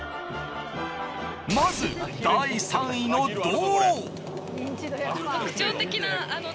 まず第３位の銅